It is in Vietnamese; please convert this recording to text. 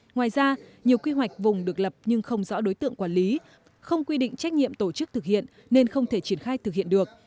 ngoài ra nhiều quy hoạch vùng được lập nhưng không rõ đối tượng quản lý không quy định trách nhiệm tổ chức thực hiện nên không thể triển khai thực hiện được